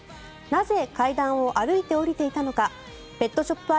なぜ、階段を歩いて下りていたのかペットショップ